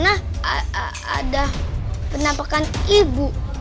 ada penampakan ibu